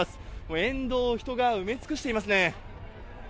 沿道を人が埋め尽くしていますね。